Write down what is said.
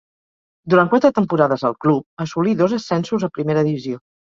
Durant quatre temporades al club assolí dos ascensos a primera divisió.